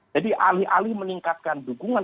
jadi alih alih meningkatkan dukungan